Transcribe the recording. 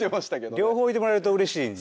両方置いてもらえるとうれしい。